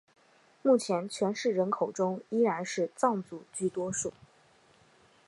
目前全市人口中依然是藏族居多数。